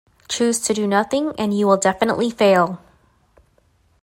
Choose to do nothing and you will definitely fail.